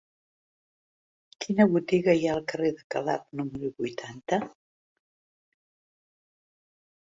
Quina botiga hi ha al carrer de Calaf número vuitanta?